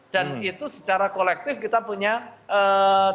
dan itu secara kolektif kita punya tanggung